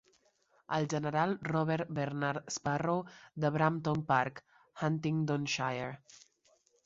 El general Robert Bernard Sparrow de Brampton Park (Huntingdonshire).